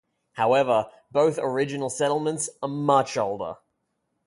However, both original settlements are much older.